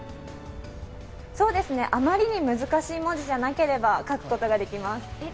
そうですね、あまりに難しい文字でなければ書くことができます。